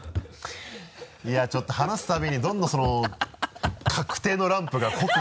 いやちょっと話すたびにどんどんその確定のランプが濃く。